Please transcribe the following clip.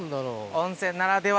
温泉ならでは？